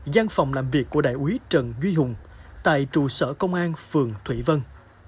giang phòng làm việc của đại úy trần duy hùng tại trụ sở công an phường thủy vân